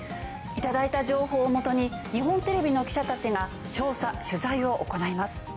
頂いた情報をもとに日本テレビの記者たちが調査・取材を行います。